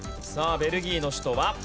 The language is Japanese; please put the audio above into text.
さあベルギーの首都は。